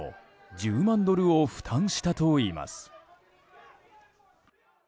１０万ドルを負担したといいます。